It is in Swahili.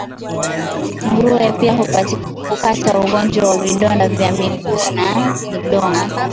Nguruwe pia hupata ugonjwa wa vidonda vya miguu na midomo